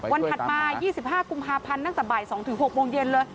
ถัดมา๒๕กุมภาพันธ์ตั้งแต่บ่าย๒๖โมงเย็นเลย